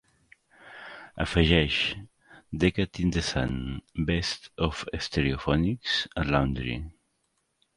Afegeix "decade in the sun: best of stereophonics" a "laundry".